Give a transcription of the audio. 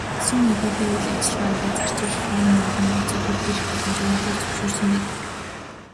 Сүм хийдүүдийн үйл ажиллагаандаа зарцуулах хөрөнгө мөнгөний нөөцийг бүрдүүлэх боломжийг хуулиар зөвшөөрсөн байдаг.